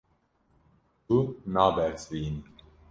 Tu nabersivînî.